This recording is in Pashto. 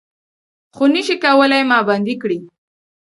خو نه شئ کولای ما بندۍ کړي